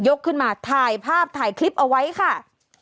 ขึ้นมาถ่ายภาพถ่ายคลิปเอาไว้ค่ะ